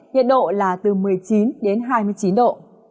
nhiệt độ là từ một mươi chín đến hai mươi chín độ